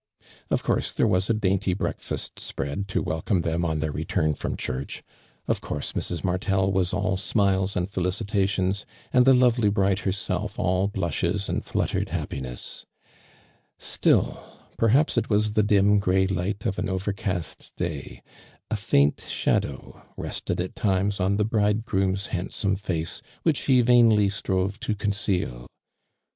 Of course there was a dainty breakfast spread to welcome them on their return from church ; of course Mrs. Martel was all smiles and felicitations, and the lovely bride herself all blushes and fluttered hap piness ; still — perhaps it was the dim, gray light of an overcast day— a faint shadow rested at times on the bridegroom's hand some face which he vainly strove to conceal.